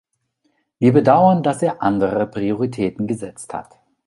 Wir bedauern, dass er andere Prioritäten gesetzt hat.